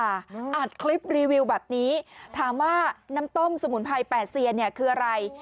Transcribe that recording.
อัดคลิปรีวิวแบบนี้ถามว่าน้ำต้มสมุนไพรแปดเซียนเนี่ยคืออะไร